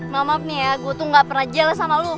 maaf maaf nih ya gue tuh gak pernah jell sama lo